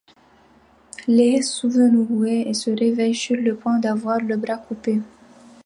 Lee s'évanouit et se réveille sur le point d'avoir le bras coupé.